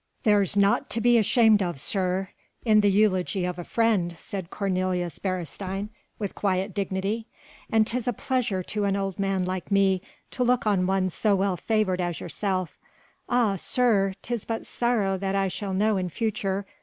"There's naught to be ashamed of, sir, in the eulogy of a friend," said Cornelius Beresteyn with quiet dignity, "and 'tis a pleasure to an old man like me to look on one so well favoured as yourself. Ah, sir! 'tis but sorrow that I shall know in future....